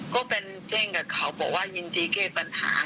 ก็เป็นแจ้งกับเขาบอกว่ายินดีแก้ปัญหา